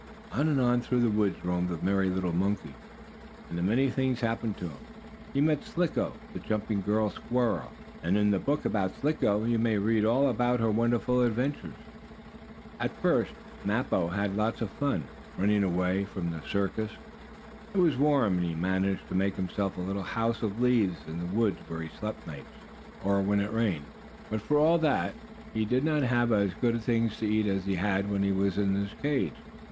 On and on through the woods roamed the merry little monkey, and many things happened to him. He met Slicko, the jumping girl squirrel, and in the book about Slicko you may read all about her wonderful adventures. At first Mappo had lots of fun, after running away from the circus. It was warm, and he managed to make himself a little house of leaves, in the woods where he slept nights, or when it rained. But, for all that, he did not have as good things to eat as he had had when he was in his cage.